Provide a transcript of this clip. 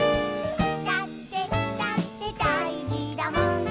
「だってだってだいじだもん」